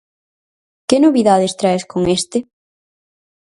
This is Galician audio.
Que novidades traes con este?